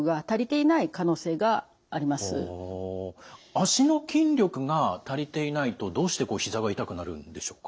脚の筋力が足りていないとどうしてひざが痛くなるんでしょうか？